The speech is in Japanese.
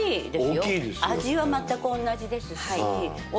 味は全く同じですし。